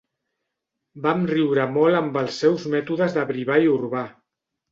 Vam riure molt amb els seus mètodes de brivall urbà.